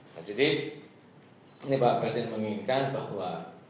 nah jadi ini pak presiden menginginkan bahwa